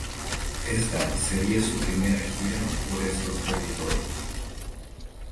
Esta sería su primera gira por estos territorios.